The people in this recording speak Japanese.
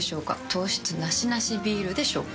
糖質ナシナシビールでしょうか？